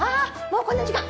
もうこんな時間！